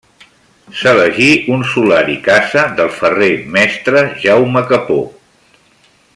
S'elegí un solar i casa del ferrer mestre Jaume Capó.